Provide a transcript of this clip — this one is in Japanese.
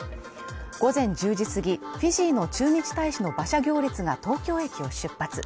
午前１０時すぎ、フィジーの駐日大使の馬車行列が東京駅を出発。